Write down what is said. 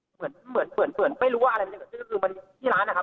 เหมือนเหมือนเผื่อนเผื่อนไม่รู้ว่าอะไรจะเกิดขึ้นคือคือมันที่ร้านนะครับ